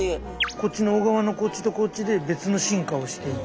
こっちの小川のこっちとこっちで別の進化をしていて。